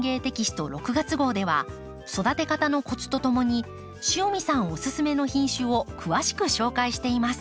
月号では育て方のコツとともに塩見さんお勧めの品種を詳しく紹介しています。